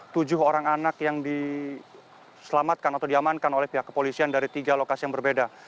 tujuh orang anak yang diselamatkan atau diamankan oleh pihak kepolisian dari tiga lokasi yang berbeda